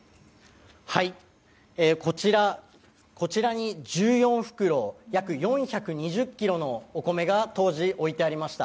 こちらに１４袋約４２０ｋｇのお米が当時、置いてありました。